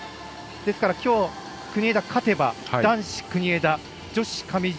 ですから、きょう国枝が勝てば男子、国枝女子、上地。